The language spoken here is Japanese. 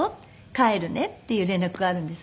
帰るね」っていう連絡があるんです。